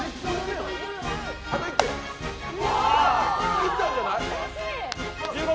いったんじゃない？